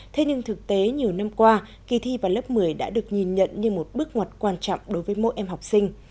thế nhưng thực tế nhiều năm qua kỳ thi vào lớp một mươi đã được nhìn nhận như một bước ngoặt quan trọng đối với mỗi em học sinh